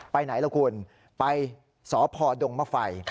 ไปไหนล่ะคุณไปสพดงมไฟ